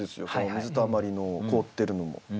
水たまりの凍ってるのも。